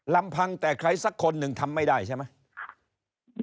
ลำพังแต่ใครสักคนหนึ่งทำไม่ได้ใช่ไหม